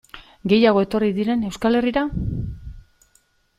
Gehiago etorri diren Euskal Herrira?